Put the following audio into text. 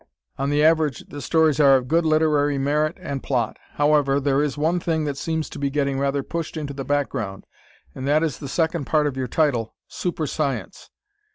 On the average, the stories are of good literary merit and plot. However, there is one thing that seems to be getting rather pushed into the background and that is the second part of your title, "Super Science."